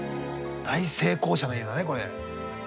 大成功者の家だねこれ。